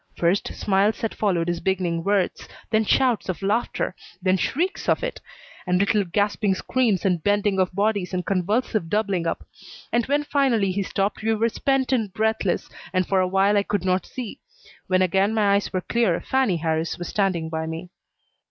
First, smiles had followed his beginning words, then shouts of laughter, then shrieks of it; and little gasping screams and bending of bodies and convulsive doubling up; and when finally he stopped we were spent and breathless, and for a while I could not see. When again my eyes were clear, Fannie Harris was standing by me.